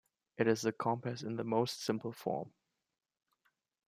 It is the compass in the most simple form.